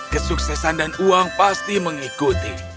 kesuksesan dan uang pasti mengikuti